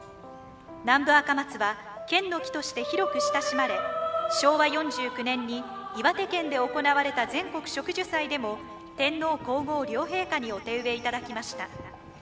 南部アカマツは県の木として広く親しまれ昭和４９年に岩手県で行われた全国植樹祭でも天皇皇后両陛下にお手植えいただきました。